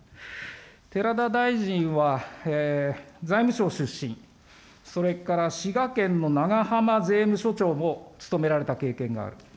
寺田大臣は財務省出身、それから滋賀県の長浜税務署長も務められた経験がある。